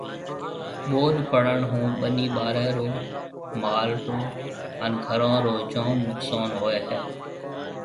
ٻوڏ پڙڻ ھون ٻني ٻارَي رو، مال رو ھان گھرون رو جام نقصان ھوئيَ ھيََََ